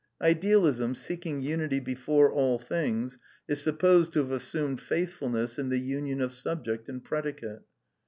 Idealism, seeking unity before all things, is supposed to have assumed faithfulness in the union of subject and predicate.